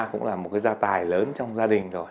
cũng là một cái gia tài lớn trong gia đình rồi